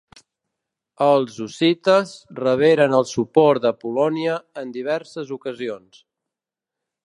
Els hussites reberen el suport de Polònia en diverses ocasions.